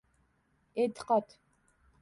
E’tiqod.